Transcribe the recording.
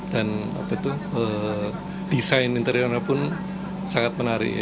dan apa itu desain interiornya pun sangat menarik